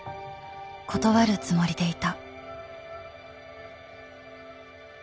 断るつもりでいた。